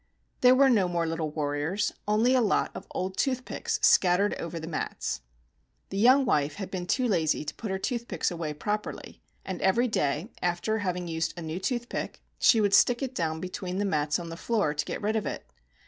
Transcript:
There were no more little warriors — only a lot of old toothpicks scattered over the mats. The young wife had been too lazy to put her toothpicks away properly ; and every day, after having used a new toothpick, she would stick it down between the mats on the floor, to get rid of it.